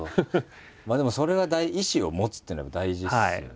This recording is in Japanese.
でもそれが意思を持つっていうのも大事ですよね。